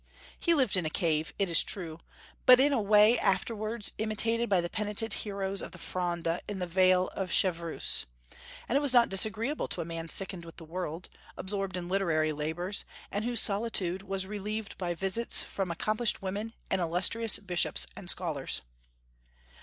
He lived in a cave, it is true, but in a way afterwards imitated by the penitent heroes of the Fronde in the vale of Chevreuse; and it was not disagreeable to a man sickened with the world, absorbed in literary labors, and whose solitude was relieved by visits from accomplished women and illustrious bishops and scholars.